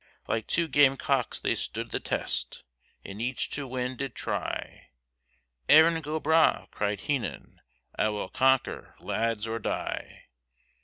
Like two game cocks they stood the test, And each to win did try, Erin go bragh, cried Heenan, I will conquer, lads, or die.